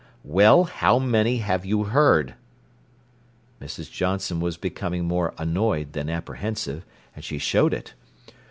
"Well, how many have you heard?" Mrs. Johnson was becoming more annoyed than apprehensive, and she showed it.